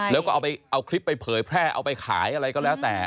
แล้วก็เอาไปเอาคลิปไปเผยแพร่เอาไปขายอะไรก็แล้วแต่